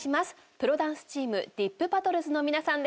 プロダンスチームｄｉｐＢＡＴＴＬＥＳの皆さんです。